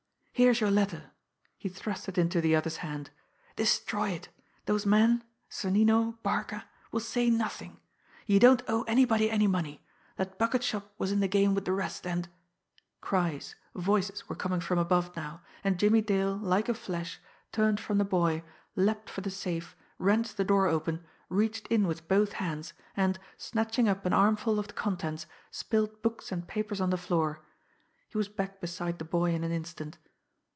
"Here's your letter!" He thrust it into the other's hand. "Destroy it! Those men Sonnino Barca will say nothing. You don't owe anybody any money that bucket shop was in the game with the rest, and " Cries, voices, were coming from above now; and Jimmie Dale, like a flash, turned from the boy, leaped for the safe, wrenched the door open, reached in with both hands, and, snatching up an armful of the contents, spilled books and papers on the floor. He was back beside the boy in an instant.